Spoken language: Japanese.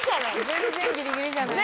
全然ギリギリじゃない。